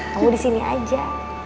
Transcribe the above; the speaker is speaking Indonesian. kamu di sini aja